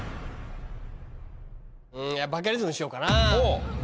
バカリズムにしようかな。